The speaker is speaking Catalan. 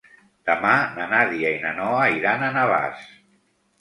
Demà na Nàdia i na Noa iran a Navàs.